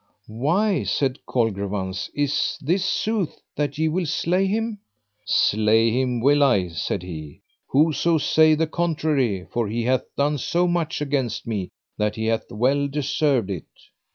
Why, said Colgrevance, is this sooth that ye will slay him? Slay him will I, said he, whoso say the contrary, for he hath done so much against me that he hath well deserved it.